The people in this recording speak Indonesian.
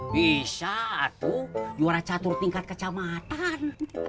bisa tuh juara catur tingkat kecamatan